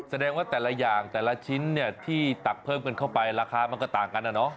แสดงว่าแต่ละอย่างแต่ละชิ้นเนี่ยที่ตักเพิ่มกันเข้าไปราคามันก็ต่างกันนะเนาะ